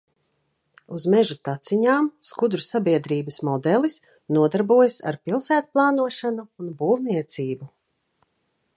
Uz meža taciņām skudru sabiedrības modelis nodarbojas ar pilsētplānošanu un būvniecību.